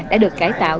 đã được cải tạo